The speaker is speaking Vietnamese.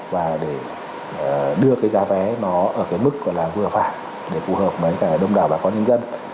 và để đưa cái giá vé nó ở cái mức gọi là vừa phải để phù hợp với đông đảo bà con nhân dân